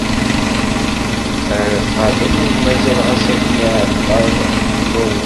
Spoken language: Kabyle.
Ar qabel u mazal ɣas akken iεebbaḍ lluẓen.